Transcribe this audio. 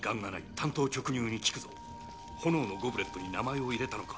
単刀直入に聞くぞ炎のゴブレットに名前を入れたのか？